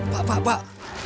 pak pak pak